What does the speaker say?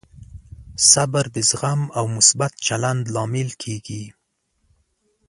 صبر د زغم او مثبت چلند لامل کېږي.